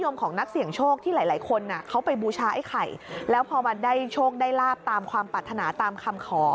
มีโชคได้ราบตามความปรรถนาตามคำขอ